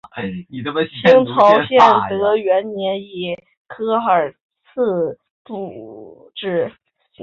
清朝崇德元年以科尔沁部置。